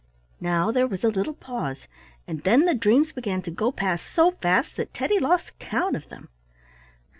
Now there was a little pause, and then the dreams began to go past so fast that Teddy lost count of them.